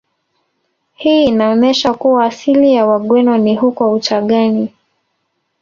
Hii inaonesha kuwa asili ya Wagweno ni huko Uchagani